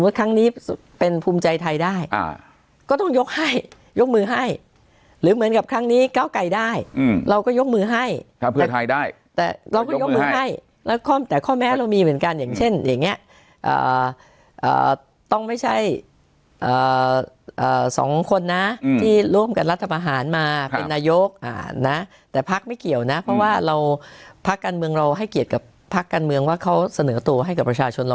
บุคคลตัวบุคคลตัวบุคคลตัวบุคคลตัวบุคคลตัวบุคคลตัวบุคคลตัวบุคคลตัวบุคคลตัวบุคคลตัวบุคคลตัวบุคคลตัวบุคคลตัวบุคคลตัวบุคคลตัวบุคคลตัวบุคคลตัวบุคคลตัวบุคคลตัวบุคคลตัวบุคคลตัวบุคคลตัวบุคคลตัวบุคคลตัวบุคคล